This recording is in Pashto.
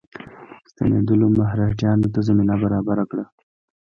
ستنېدلو مرهټیانو ته زمینه برابره کړه.